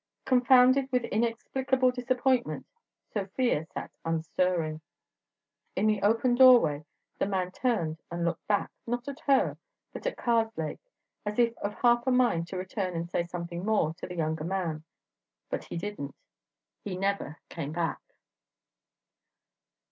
Confounded with inexplicable disappointment, Sofia sat unstirring. In the open doorway the man turned and looked back, not at her, but at Karslake, as if of half a mind to return and say something more to the younger man. But he didn't. He never came back.